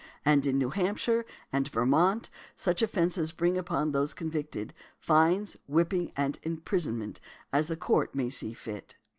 And in New Hampshire and Vermont such offences bring upon those convicted, fines, whipping, and imprisonment, as the Court may see fit.